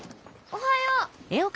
おはよう。